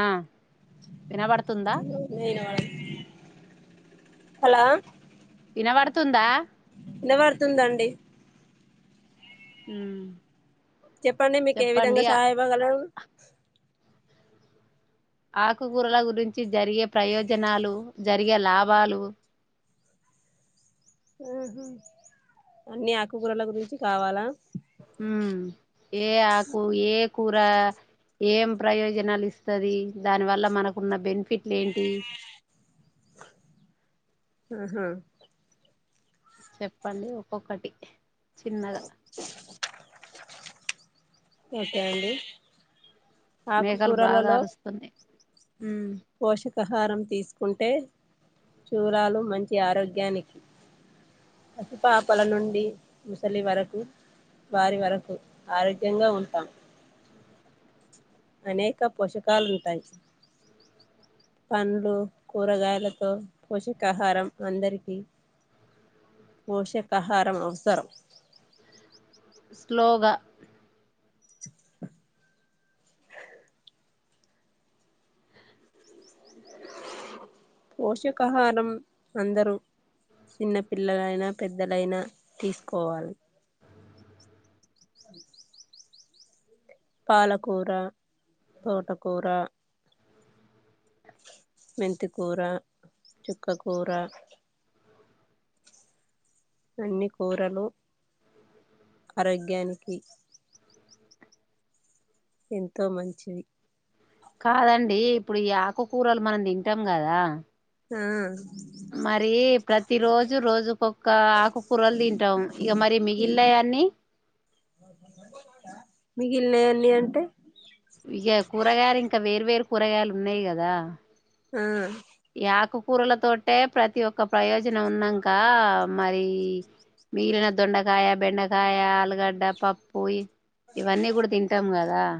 ఆ వినబడుతుందా హలో వినబడుతుందా వినపడుతుందండి ఉ చెప్పండి మీకు ఏ విధంగా సాయ పడగలను ఆకుకూరల గురించి జరిగే ప్రయోజనాలు జరిగే లాభాలు హ్మ్మ్ అన్ని ఆకుకూరల గురించి కావాలా హ్మ్మ్ ఏ ఆకు ఏ కూర ఏం ప్రయోజనాలు ఇస్తుంది దానివల్ల మనకున్న బెనిఫిట్లు ఏంటి. ఆహా చెప్పండి ఒక్కొక్కటి చిన్నగా ఓకే అండి మేఘాలు బాగా అరుస్తున్నాయి మ్మ్ పోష కహారం తీసుకుంటే చూరాలు మంచి ఆరోగ్యానికి పాసిపాపల నుండి ముసలి వరకు వారి వరకు ఆరోగ్యంగా ఉంటాం. అనేక పోషకాలు ఉంటాయి పండ్లు కూరగాయలతో పోషకాహారం అందరికీ పోషకాహారం అవసరం. శ్లోగా పోషకాహారం అందరూ చిన్నపిల్లలైనా, పెద్దలైనా తీసుకోవాలి అ పాలకూర, తోటకూర మెంతికూర, చుక్కకూర అన్ని కూరలు ఆరోగ్యానికి ఎంతో మంచిది కాదండి ఇప్పుడు ఈ ఆకుకూరలు మనం తింటాం కదా. ఆ మరి ప్రతి రోజు రోజుకొక్క ఆకుకూరలు తింటాం ఇక మరి మిగిలినయన్ని మిగిలినై అన్ని అంటే ఇక కూరగాయలు ఇంకా వేర్వేరు కూరగాయలు ఉన్నాయి గదా ఆ కూరలతోటే ప్రతి ఒక్క ప్రయోజనం ఉన్నాక మరి మిగిలిన దొండకాయ, బెండకాయ ఆలుగడ్డ, పప్పు ఈ వన్నీ కూడా తింటాం కదా ఆ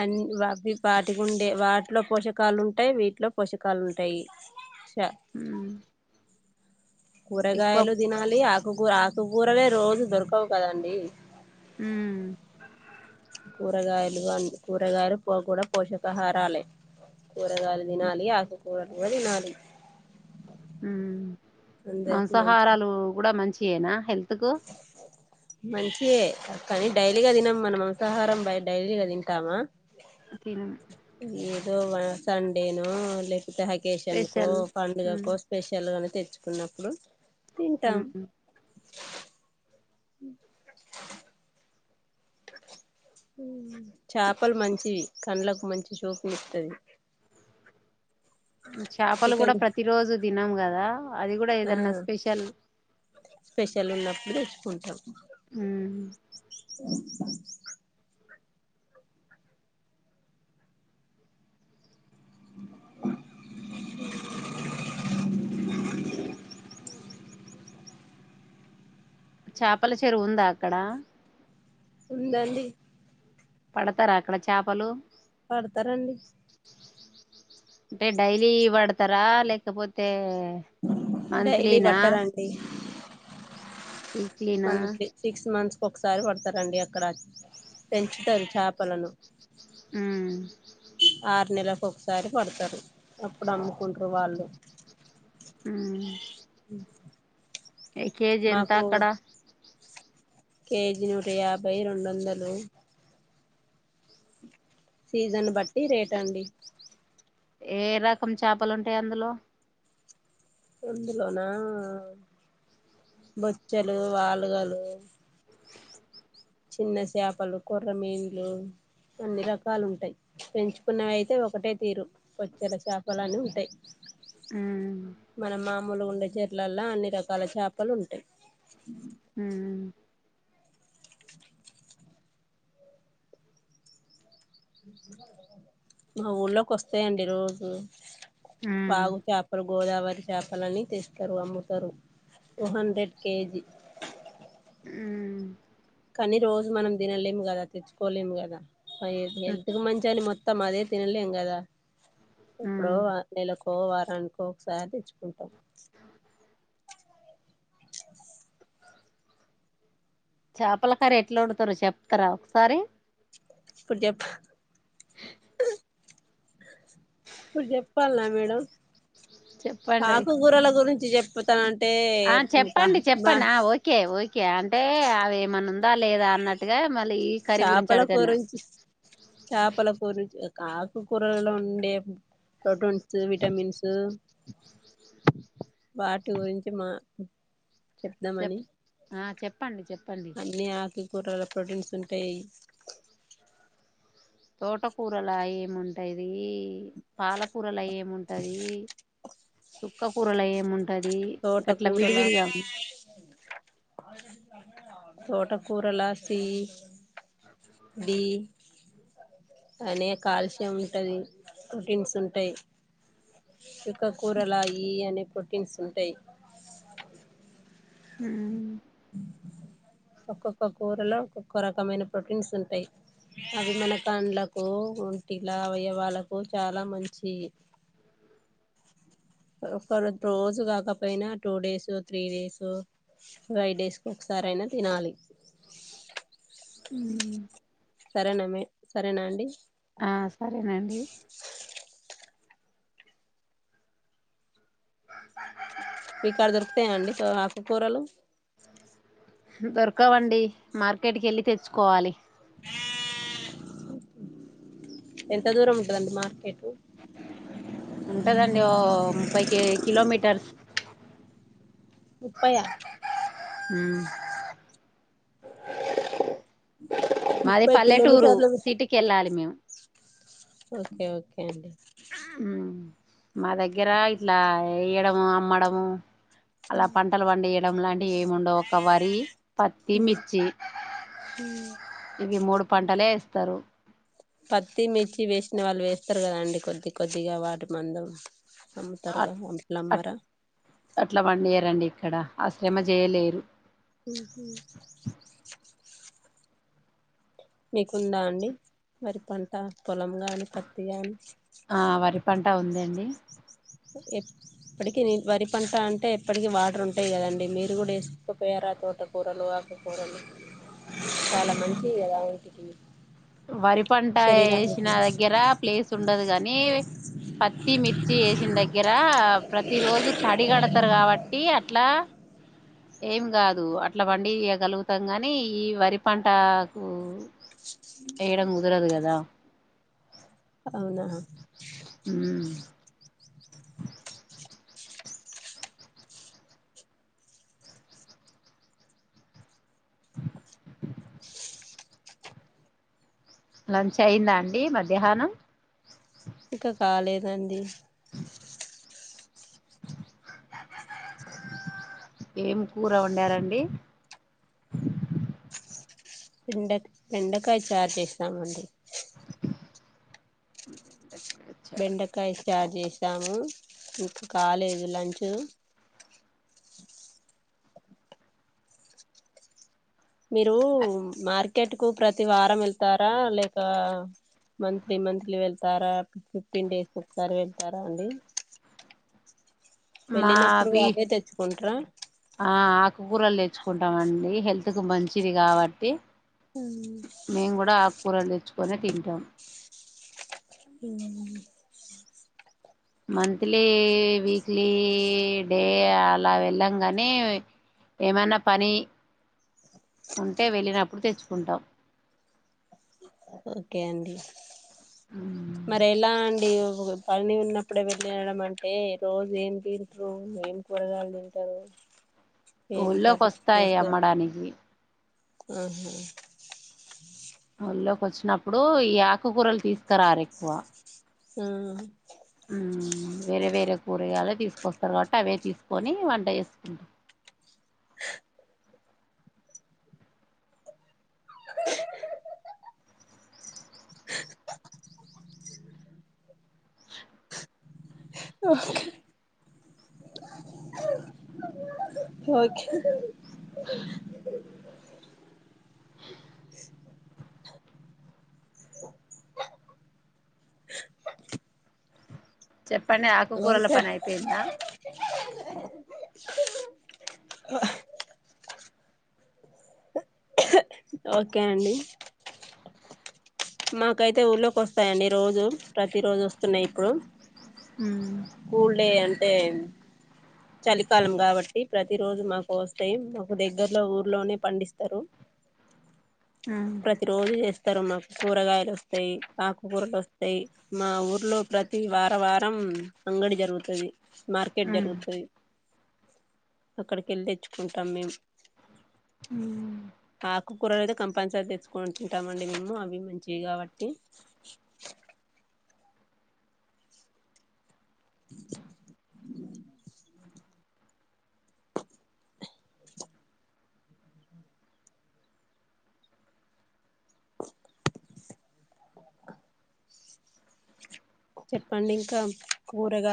ఆ అవి వాటికి ఉండే వాటిలో పోషకాలు ఉంటాయి, వీటిలో పోషకాలు ఉంటాయి. చ ఉమ్, ఎక్కువ కూరగాయలు తినాలి అక్ వగా ఆకుకూరలే రోజు దొరకవు కదండీ. హ్ కూరగాయలు అని కూరగాయలు పో కూడా పోషకాహారాలే కూరగాయలు తినాలి. ఆకుకూరలు కూడా తినాలి. హ్ అందరికి మంచి మాంసాహారాలు కూడా మంచి యేనా హెల్త్ కు మంచియే కానీ డైలీగా తినం. మనం మాంసాహారం బ డైలీగా తింటామా. ఇంకేం ఎదొ మన సండేనొ లేక్ ఇహ అకేషన్కో, స్పెషల్ ఉమ్, పండుగకో స్పెషల్ గా తెచ్చుకున్నప్పుడు తింటాం ఊహూ చపలు మంచివి కండ్లకు మంచి చూపునిస్తుంది. చపలు కూడా ప్రతి రోజు దినము. కదా అది కూడా ఆ ఏదన్నా స్పెషల్ స్పెషల్ ఉన్నప్పుడు కొంచెం హ్ చాపల చెరువు ఉందా అక్కడ. ఉందండి. పడతరా అక్కడ చాపలు. పడతరండి. అంటే డైలీ పడతరా లేకపోతే డైలీ మంత్లీనా బట్టరు అంటీ. వీక్లీనా మంత్లీ సిక్స్ మంత్స్ ఒకసారి పడతరండి అక్కడ పెంచుతరు చాపలను. ఉమ్ ఆరు నెల ఒక్కసారి పడతరు. అప్పుడు అమ్ముకుంటరు వాళ్ళు. హ్ ఎ కేజీ ఎంత మాకు అక్కడ. కేజీ నూట యాభై, రెండు వందలు. సీజను బట్టి రేట్ అండి. ఏ రకం చాపలుంటయి అందులో. అందులోనా బొచ్చలు, వాలుగలు చిన్న చేపలు, కొర్ర మీన్లు అన్ని రకాలు ఉంటయి. పెంచుకున్నవి అయితే ఒకటే తీరు బొచ్చెల చాపలు అని ఉంటయి. ఉమ్ మనం మామూలు ఉండే చే ట్లల్ల అన్ని రకాల చేపలుంటాయి ఊ మా ఊళ్లోకి వస్తాయండి రోజూ ఉమ్ వాగు చాపరు గోదావరి చేపలని తెస్తరు అమ్ముతారు టూ హండ్రెడ్ కే జీ ఊ కానీ రోజూ మనం తినలేం గదా తెచ్చుకోలేం గదా పై ఎదు హెల్త్ కు మంచి అని మొత్ త్తం అదే తినలేం గదా ఇప్పుడో ఉమ్ నెలకు ఓ వారానికో ఒకసారి తెచ్చుకుంటాం. చాపల కర్రీ ఎట్లా వండుతరో చెప్తారా ఒకసారి. ఇప్పుడు చెప్పు ఇప్పుడు చెప్పాల్నా మేడం. చెప్పండి పాకు కూరల గురి తి జెప్పుతాన్ ఆ చెప్పండి చెప్పండి ఆ ఓకే ఓ కి అంటే అవి మనం దా లేదా అన్నట్టుగా మలి చాపల కూరుంచి చాపల కూరుంచి ఇగ కాకుకూరలో ఉండే ప్రోటీన్స్ విటమిన్స్ వాటి గురించి మా చెప్దామని చెప్ ఆ చెప్పండి చెప్పండి కూరలో ప్రోటీన్స్ టాయ్ తోటకూరల ఏముంటది పాలకూరల ఏముంటది సుక్క కూరలు ఏమున్ అది గట్లా తోటకూరల విడివిడిగా ఉన్ తోట కూరలాసి డి అనే కాల్షియం ఉంటది ప్రోటీన్స్ ఉంటాయి క్క కూరలాయి అని పోటీన్స్ ఉంటాయి హ్మ్ ఒక్కొక్క కూరలో ఒక్కొక్క రకమైన ప్రోటీన్స్ ఉంటాయి అవి మన కాండ్లకు ఒంటిలా అవయవాలకు వాళ్ళకు చాలా మంచి ఒక రో రోజు కాకపోయినా two days three days five days కు ఒకసారి అయినా తినాలి హ్మ్ సరేనా మీ సరేనా అండి ఆ సరేనండి మీకాడ దొరుకుతాయా అండి ఆకుకూరలు దొరకవండి మార్కెట్కి వెళ్ళి తెచ్చుకోవాలి ఎంత దూరం ఉంటందండి మార్కెట్ ఉంటదండి ఓ ముప్పైకి కిలోమీటర్స్ ముఫైయా ఆ మాది ముప్పై పల్లెటూరు కిలోమీటర్లు సిటీకి వెళ్ళాలి మేము ఓకే ఓకే అండి మా దగ్గర ఇట్లా వేయడము అమ్మడము అలా పంటల పడియం లం లాంటి ఏముండవు ఒక వరి పత్తి మిర్చి ఇవి మూడు పంటలే ఎస్ తరు పత్తి మిర్చి వేసిన వాళ్ళు వేస్తారు కదాండి కొద్ది కొద్దిగా వాటి మందం అమ్ముతారుగా అట్ అట్లా అ అమ్మరా అట్లా వండియారండి ఇక్కడ ఆ శ్రమ చేయలేరు మ్మ్ మీకుందా అండి మరి పంట పొలం గాని పత్తి గాని అ ఉందండి ఎప్పటికిీీ వరి పంట అంటే ఎప్పటికిీ వాటర్ ఉంటాయి కదండి మీరు కూడా వేసుకుపోయారా తోటకూరలు ఆకుకూరలు చాలా మంచిది కదా వరి పంట వేసిన శరీరానికి దగ్గర ప్లేస్ ఉండదు గాని పత్తి, మిర్చి ఎసిన దగ్గ దగ్గర ప్రతి రోజు తడిగడతరు కాబట్టి అట్లా ఏం కాదు అట్లా బండి ఇయ్యాగాలుగుతాం గానీ ఈ వరి పంటా కు ఏడ కుదరదు కదా అవునా మ్మ్ లంచ్ అయ్యిందా అండి మధ్యాహ్నం ఇంక కాలేదండి ఏం కూర వండారండి బెండ బెండకాయ చారు చేసినమంది బెండకాయస్త చేసాము ఇంకా కాలేజ్ లంచ్ మీరు మార్కెట్కు ప్రతి వారం వెళ్తారా లేక మంత్లీ మంత్లీ వెళ్తారా ఫిఫ్టీన్ డేస్కి ఒకసారి వెళ్తారా అండి మా వెళ్ళినప్పుడు బి అవే తెచ్చుకుంట్రా కూరలు తెచ్చుకుంటామ అండి హెల్తుకు మంచిది కాబట్టి మ్మ్ కూరలు తెచ్చుకొనే తింటాం ఉ మంత్లీ వీక్లీ డే అలా వెళ్ళాము కానీ ఏమైనా పని ఉంటే వెళ్ళినప్పుడు తెచ్చు కుంటం ఓకే అండి మరి ఎలా అండి పని ఉన్నప్పుడే వెళ్లినడం అంటే రోజు ఏం తీరుతరు నువ ఏం కూరగాలు తింటారు ఏం ఊళ్ళోకి వస్తాయి అమ్మడానికి మ్మ్ హ్మ్ ఊళ్ళోకి వచ్చినప్పుడు ఈ ఆకుకూరలు తీస్కారారు ఎక్కువ మ్మ్ వస్తారు కాబట్టి అవే తీసుకొని వంట చేసుకుంటాం ఓకే ఓకె అష్ [unintelligible] చెప్పండి ఆకుకూరల పని అయిపోయిందా ఓకె అండి మాకైతే ఊర్లోకి వస్తాయండి రోజు ప్రతి రోజు వస్తున్నాయి ఇప్పుడు మ్మ్ కూల్ డే అన్ ఏం చలికాలం కాబట్టి ప్రతి రోజు మాకు వస్తాయి మాకు దగ్గరలో ఊర్లోనే పండిస్తారు మ్మ్ ప్రతి రోజు చేస్త్ ఇస్తారు మాకు కూరగాయలు వస్తాయి ఆకుకూరలు వస్తాయి మా ఊర్లో ప్రతి ఈ వార వారం అంగడి జరుగ్ రూతది మార్కెట్ మ్మ్ జరుగుతది అక్కడికెళ్లి తెచ్చుకుంటాం మేమ్ మ్మ్ క్కూర ఐతే కం పల్సరీ తెచ్చుకుంటం అండి మేము అవి మంచివి కాబట్టి [inaudible] [inaudible] చెప్పండి ఇంకా కూరగాయ్